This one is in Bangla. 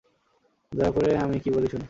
দয়া করে আমি কি বলি শোন।